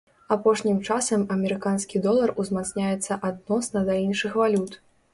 Апошнім часам амерыканскі долар узмацняецца адносна да іншых валют.